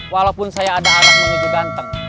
walaupun saya ada anak yang juga ganteng